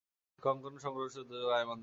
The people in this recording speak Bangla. কঙ্কন সরকারসুন্দরগঞ্জ, গাইবান্ধা।